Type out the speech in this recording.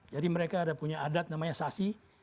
jadi mereka ada punya adat namanya sasi